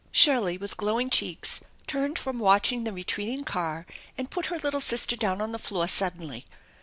Shirley with glowing cheeks turned from watching the retreating car and put her little sister down on the floor suddenly.